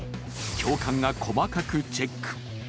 教官が細かくチェック。